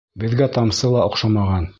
Беҙгә тамсы ла оҡшамаған.